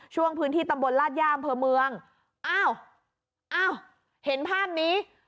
ช่วงพื้นที่ตำบลลาดย่าอำเภอเมืองอ้าวอ้าวเห็นภาพนี้